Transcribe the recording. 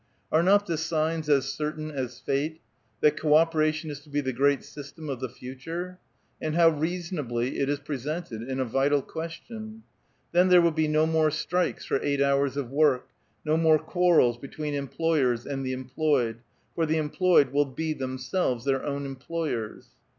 Are not the signs as certain as fate, that co operation is to be the great system of the future ? and how reasonably it is presented in " A Vital Question "! Then there will be no more strikes for eight hours of work, no more quarrels between employers and the employed, for the employed will be themselves their own employers.